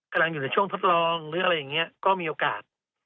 กำลังอยู่ในช่วงทดลองหรืออะไรอย่างนี้ก็มีโอกาส